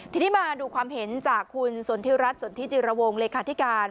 ทีนี้มาดูความเห็นจากคุณสนทิรัฐสนทิจิรวงเลขาธิการ